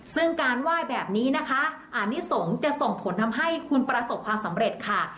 ซึ่งการไหว้แบบนี้นะคะอานิสงฆ์จะส่งผลทำให้คุณประสบความสำเร็จค่ะ